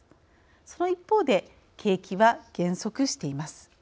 その一方で景気は減速しています。